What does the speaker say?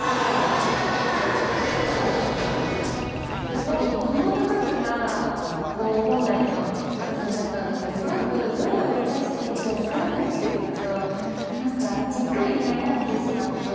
やっぱり駒の数が本来の数になったのですごくどれを動かしていいか分からないっていうのとなんかじっくり悩んでしまって。